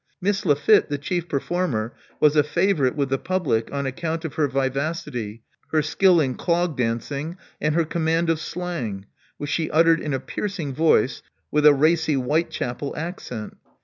Miss Lafitte, the chief performer, was a favorite with the public on account of her vivacity, her skill in clog dancing, and her command of slang, which she uttered in a piercing voice with a racy Whitechapel accent.